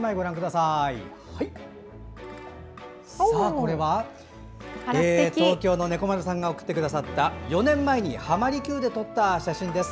これは東京のねこまるさんが送ってくださった４年前に浜離宮で撮った写真です。